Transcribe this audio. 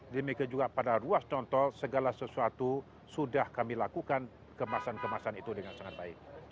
demikian juga pada ruas tol segala sesuatu sudah kami lakukan kemasan kemasan itu dengan sangat baik